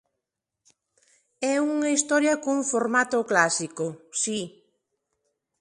É unha historia cun formato clásico, si.